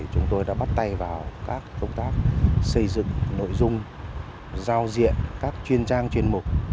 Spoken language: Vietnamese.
chúng tôi đã bắt tay vào các công tác xây dựng nội dung giao diện các chuyên trang chuyên mục